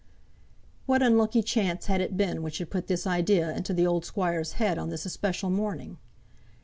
What unlucky chance had it been which had put this idea into the old squire's head on this especial morning?